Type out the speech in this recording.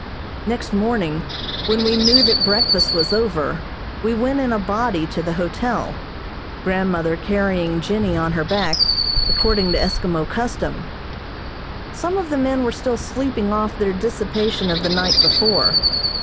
Next morning, when we knew that breakfast was over, we went in a body to the hotel, grandmother carrying Jennie on her back, according to Eskimo custom. Some of the men were still sleeping off their dissipation of the night before.